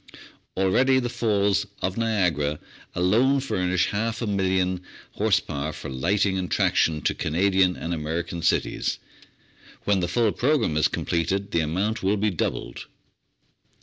Already the Falls of Niagara alone furnish half a million horse power for lighting and traction to Canadian and American cities; when the full pro gramme is completed the amount will be doubled.